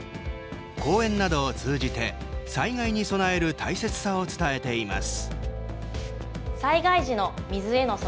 講演などを通じて、災害に備える大切さを伝えています。